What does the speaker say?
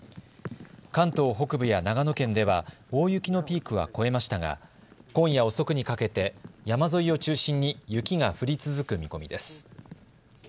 関東北部や長野県では大雪のピークは越えましたが今夜遅くにかけて山沿いを中心に雪が降り続く見込みです。